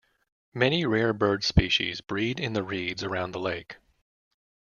Many rare bird species breed in the reeds around the lake.